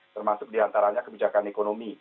termasuk diantaranya kebijakan ekonomi